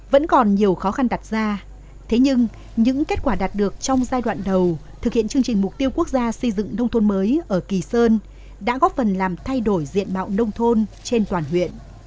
vẫn còn nhiều khó khăn đặt ra thế nhưng những kết quả đạt được trong giai đoạn đầu thực hiện chương trình mục tiêu quốc gia xây dựng nông thôn mới ở kỳ sơn đã góp phần làm thay đổi diện mạo nông thôn trên toàn huyện